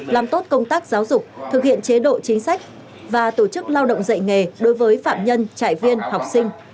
làm tốt công tác giáo dục thực hiện chế độ chính sách và tổ chức lao động dạy nghề đối với phạm nhân trại viên học sinh